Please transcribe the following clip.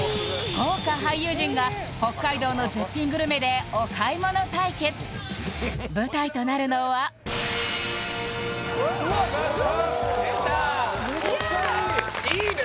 豪華俳優陣が北海道の絶品グルメでお買い物対決舞台となるのはでたいいね